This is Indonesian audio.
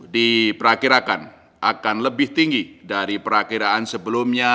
diperkirakan akan lebih tinggi dari perakiraan sebelumnya